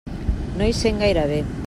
No hi sent gaire bé.